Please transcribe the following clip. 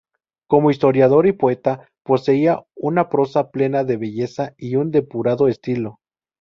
Como historiador y poeta, poseía una prosa plena de belleza y un depurado estilo.